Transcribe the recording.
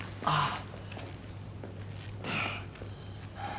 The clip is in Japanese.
ああ。